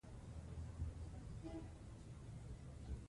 د دوستانو سره وخت تېرول د خوښۍ سبب کېږي.